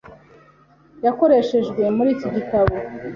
yakoreshejwe muri iki gitabo.